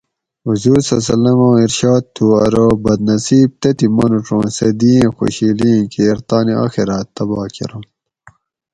حضور( ص ) آں ارشاد تھو ارو بدنصیب تتھیں مانوڄ اُوں سہ دی ایں خوشیلی ایں کیر تانی آخراۤت تباہ کرنت